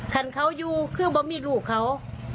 คันเขาอยู่คือบ่มีลูกเขา